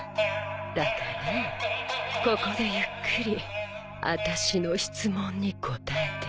だからここでゆっくりあたしの質問に答えて。